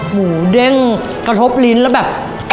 หมูเด้งกระทบลิ้นแล้วแบบ